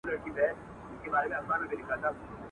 نه له پوندو د آسونو دوړي پورته دي اسمان ته.